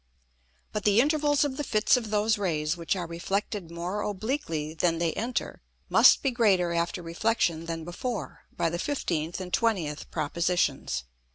But the Intervals of the Fits of those Rays which are reflected more obliquely than they enter, must be greater after Reflexion than before, by the 15th and 20th Propositions.